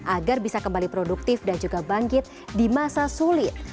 agar bisa kembali produktif dan juga bangkit di masa sulit